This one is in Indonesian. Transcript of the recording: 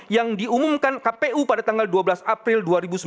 yang diumumkan kpu pada tanggal dua belas april dua ribu sembilan belas